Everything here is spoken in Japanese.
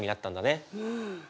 うん。